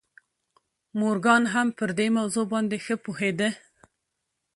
مورګان هم پر دې موضوع باندې ښه پوهېده